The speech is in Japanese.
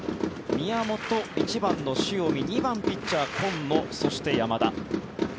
宮本、１番の塩見２番、ピッチャー、今野そして、山田。